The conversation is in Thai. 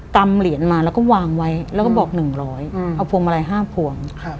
ตำเหรียญมาแล้ววางไว้แล้วบอก๑๐๐บาทเอาผวงมาลัย๕ผวง